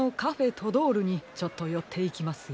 トドールにちょっとよっていきますよ。